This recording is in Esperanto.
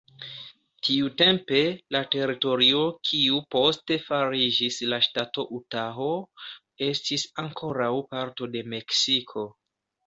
Tiutempe, la teritorio kiu poste fariĝis la ŝtato Utaho, estis ankoraŭ parto de Meksiko.